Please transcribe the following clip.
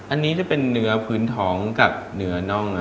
อันนี้จะเป็นเนื้อพื้นท้องกับเนื้อน่อง